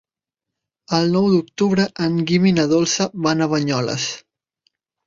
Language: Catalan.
El nou d'octubre en Guim i na Dolça van a Banyoles.